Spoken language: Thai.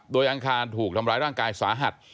โดยอังคารถูกทำร้ายร่างกายสาหัส